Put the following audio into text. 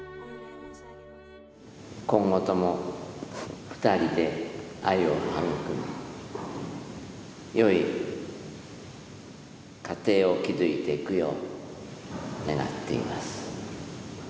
今後とも２人で愛を育み、よい家庭を築いていくよう願っています。